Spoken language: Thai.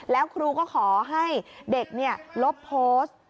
แล้วครูก็ขอให้เด็กลบโพสต์